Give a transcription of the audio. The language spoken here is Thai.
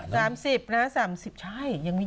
๓๐นะครับ๓๐ใช่ยังไม่๒๐